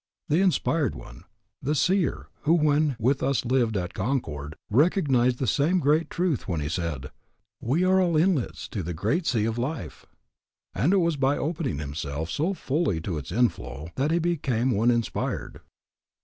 The inspired one, the seer who when with us lived at Concord, recognized the same great truth when he said, We are all inlets to the great sea of life. And it was by opening himself so fully to its inflow that he became one inspired.